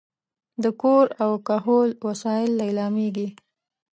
د کور او کهول وسایل لیلامېږي.